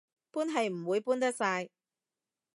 搬係唔會搬得晒